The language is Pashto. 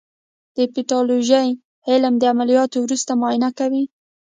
د پیتالوژي علم د عملیاتو وروسته معاینه کوي.